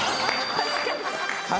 確かにな。